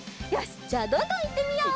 じゃあどんどんいってみよう！